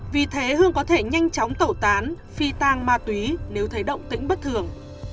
vì thế hương có thể nhanh chóng tẩu tán phi tang ma túy nếu thấy động tĩnh bất thường